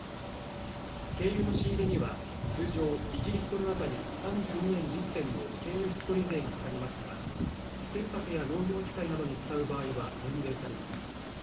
軽油の仕入れには通常１リットル当たり３２円１０銭の軽油引取税がかかりますが船舶や農業機械などに使う場合は免税されます。